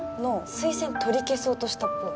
推薦取り消そうとしたっぽい